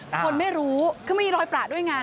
คนไม่รู้คือมีรอยประด้วยไง